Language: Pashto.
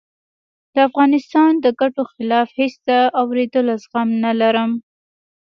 د افغانستان د ګټو خلاف هېڅ د آورېدلو زغم نه لرم